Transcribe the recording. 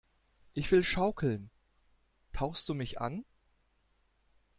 Ich will schaukeln! Tauchst du mich an?